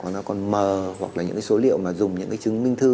nó còn mờ hoặc là những cái số liệu mà dùng những cái chứng minh thư